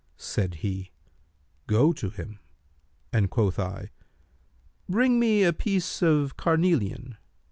Said he, 'Go to him;' and quoth I, 'Bring me a piece of carnelian.'